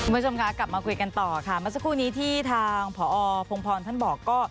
ผู้ชมคะกลับมาคุยกันต่อค่ะมาสักครู่นี้ที่ทางพพท่านบอกก็